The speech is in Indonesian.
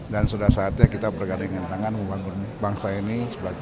dan sudah saatnya kita bergadang dengan tangan membangun bangsa ini